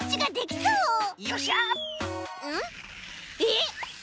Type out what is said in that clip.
えっ！